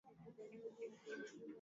Kweli inapatianaka kazi na heshima